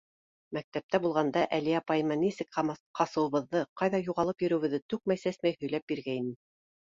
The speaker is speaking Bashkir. Мәктәптә булғанда Әлиә апайыма нисек ҡасыуыбыҙҙы, ҡайҙа юғалып йөрөүебеҙҙе түкмәй-сәсмәй һөйләп биргәйнем.